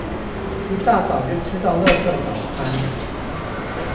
一大早就吃到垃圾早餐